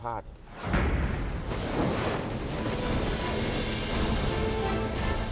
กล้ามเนื้อจะเป็นอำมพึกอำมพาต